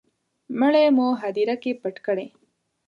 مړی مو هدیره کي پټ کړی